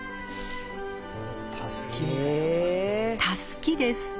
たすきです。